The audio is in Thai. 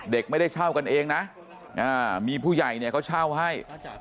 เด็กไม่ได้เช่ากันเองนะมีผู้ใหญ่เนี่ยเขาเช่าให้